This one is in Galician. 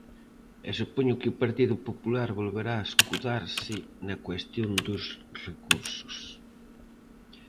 E supoño que o Partido Popular volverá escudarse na cuestión dos recursos.